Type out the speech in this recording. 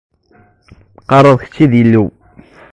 Qqareɣ: "D kečč i d Illu-iw."